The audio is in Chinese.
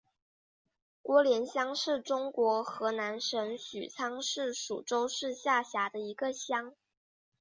郭连乡是中国河南省许昌市禹州市下辖的一个乡。